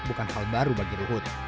bukan hal baru bagi ruhut